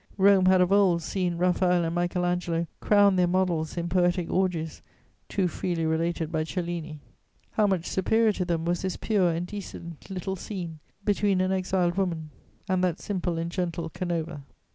Rome had of old seen Raphael and Michael Angelo crown their models in poetic orgies, too freely related by Cellini: how much superior to them was this pure and decent little scene between an exiled woman and that simple and gentle Canova!